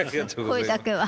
声だけは。